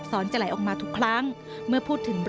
มันเสียใจไงว่าเรื่องมันไม่ใช่เรื่องของลูกเรา